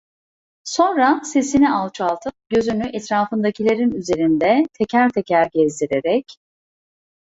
Sonra sesini alçaltıp gözünü etrafındakilerin üzerinde teker teker gezdirerek: